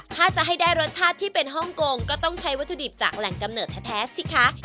ถ้าจะให้ได้รสชาติที่เป็นฮ่องกงก็ต้องใช้วัตถุดิบจากแหล่งกำเนิดแท้สิคะ